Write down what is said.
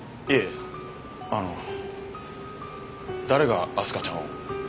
いえあの誰が明日香ちゃんを？